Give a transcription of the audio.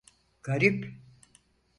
Garip.